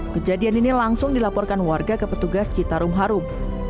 kejadian ini langsung dilaporkan warga ke petugas citarum harum